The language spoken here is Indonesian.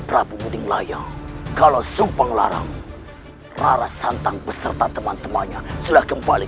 prabu muding layang kalau supeng larang rara santang beserta teman temannya sudah kembali